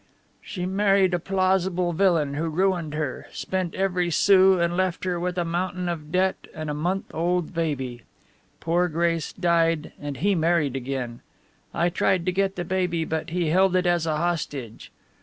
"She married a plausible villain who ruined her spent every sou and left her with a mountain of debt and a month old baby. Poor Grace died and he married again. I tried to get the baby, but he held it as a hostage.